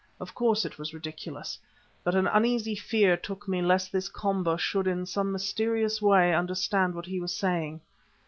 Of course, it was ridiculous, but an uneasy fear took me lest this Komba should in some mysterious way understand what he was saying.